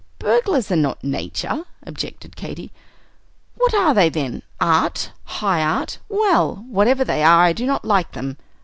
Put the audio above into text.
"Burglars are not Nature," objected Katy. "What are they, then? Art? High Art? Well, whatever they are, I do not like them.